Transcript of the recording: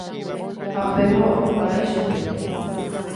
Ha péva ojuka ichupe.